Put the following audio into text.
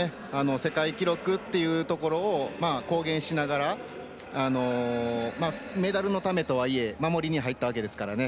世界記録っていうところを公言しながらメダルのためとはいえ守りに入ったわけですから。